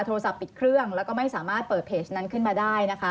โทรศัพท์ปิดเครื่องแล้วก็ไม่สามารถเปิดเพจนั้นขึ้นมาได้นะคะ